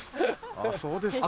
あそうですか。